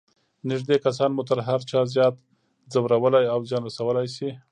نږدې کسان مو تر هر چا زیات ځورولای او زیان رسولای شي.